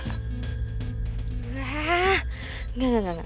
wah enggak enggak enggak